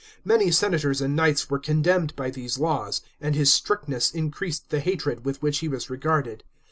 Many senators and knights were condemned by these laws, and his strictness increased the hatred with which he was regarded.